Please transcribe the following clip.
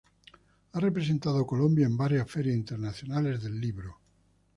Ha representado a Colombia en varias ferias internacionales del libro.